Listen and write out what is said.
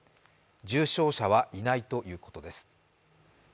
重症者はいないということです。